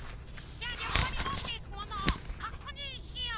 じゃありょこうにもっていくものをかくにんしよう！